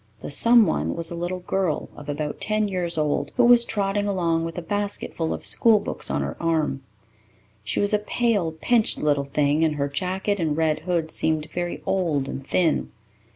The "someone" was a little girl of about ten years old, who was trotting along with a basketful of school books on her arm. She was a pale, pinched little thing, and her jacket and red hood seemed very old and thin.